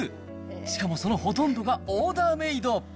しかもそのほとんどがオーダーメイド。